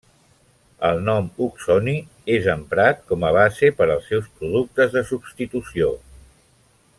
El nom oxoni és emprat com a base per als seus productes de substitució.